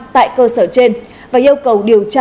tại cơ sở trên và yêu cầu điều tra